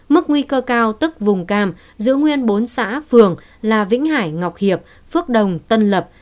mức nguy cơ cao tức vùng cam giữ nguyên bốn xã phường là vĩnh hải ngọc hiệp phước đồng tân lập